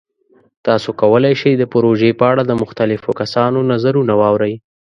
تاسو کولی شئ د پروژې په اړه د مختلفو کسانو نظرونه واورئ.